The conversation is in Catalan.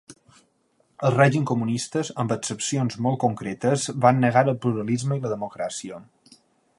Els règims comunistes, amb excepcions molt concretes, van negar el pluralisme i la democràcia.